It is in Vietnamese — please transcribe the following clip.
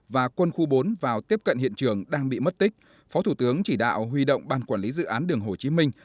và quân khu bốn vào tiếp cận hiện trường đang bị mất tích phó thủ tướng chỉ đạo huy động ban quản lý dự án đường hồ chí minh